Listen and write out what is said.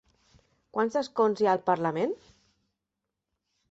Quants escons hi ha al parlament?